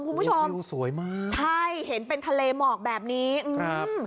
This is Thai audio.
คุณผู้ชมดูสวยมากใช่เห็นเป็นทะเลหมอกแบบนี้ครับ